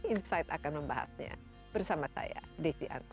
insight akan membahasnya bersama saya desi angpa